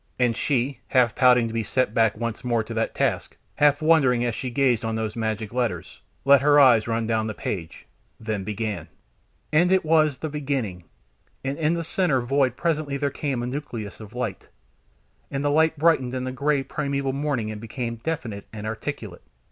And she, half pouting to be set back once more to that task, half wondering as she gazed on those magic letters, let her eyes run down the page, then began: "And it was the Beginning, and in the centre void presently there came a nucleus of light: and the light brightened in the grey primeval morning and became definite and articulate.